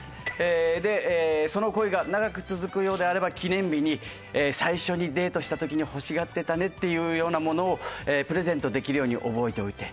でその恋が長く続くようであれば記念日に最初にデートした時に欲しがってたねっていうようなものをプレゼントできるように覚えておいて。